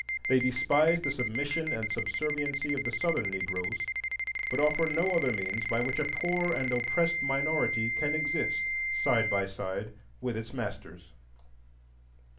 They despise the submission and subserviency of the Southern Negroes, but offer no other means by which a poor and oppressed minority can exist side by side with its masters.